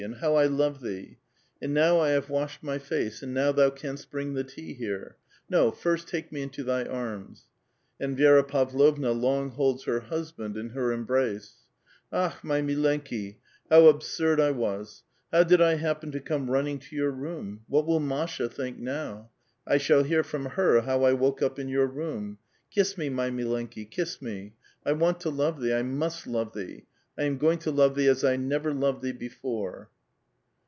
and how I love thee ! And now I have washed my face, and now thou canst bring the tea here. No ; first take mo into thy arms." And Vi6ra Pavlovna long holds her husband in her ombriice. ^^ Akhl my milenki, how absurd I was ! How did I happen to come running to 3'our room? What will Masha think now? I shall hear from her how I woke up in your room. Kiss me, my mllenkiy kiss me. I want to love thee ; I must love thee. I am going to love thee as I never loved thee before."